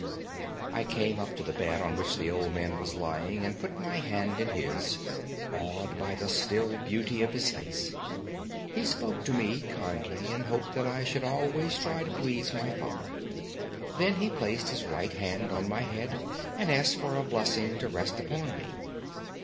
I came up to the bed on which the old man was lying and put my hand in his, awed by the still beauty of his face. He spoke to me kindly, and hoped that I should always try to please my father. Then he placed his right hand on my head and asked for a blessing to rest upon me.